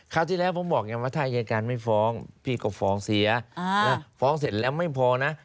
ที่แล้วผมบอกยังว่าถ้าอายการไม่ฟ้องพี่ก็ฟ้องเสียฟ้องเสร็จแล้วไม่พอนะ